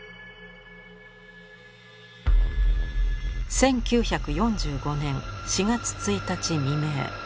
１９４５年４月１日未明。